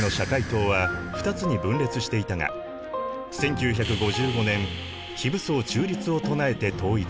党は２つに分裂していたが１９５５年非武装中立を唱えて統一。